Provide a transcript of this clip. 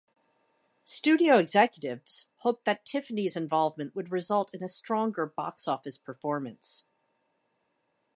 Studio executives hoped that Tiffany's involvement would result in a stronger box office performance.